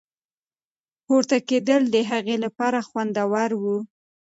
پورته کېدل د هغې لپاره خوندور وو.